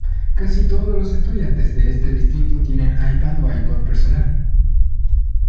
Casi todos los estudiantes de este distrito tienen iPad o iPod personal.